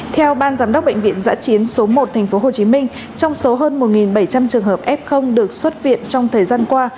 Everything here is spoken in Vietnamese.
theo ban giám đốc bệnh viện giã chiến số một tp hcm trong số hơn một bảy trăm linh trường hợp f được xuất viện trong thời gian qua